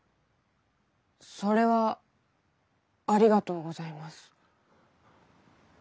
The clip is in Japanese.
それはありがとうございます。